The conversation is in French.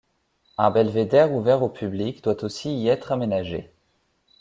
Un belvédère ouvert au public doit aussi y être aménagé.